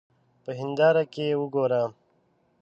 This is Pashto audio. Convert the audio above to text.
په هېنداره کې وګوره.